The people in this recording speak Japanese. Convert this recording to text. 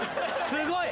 すごい。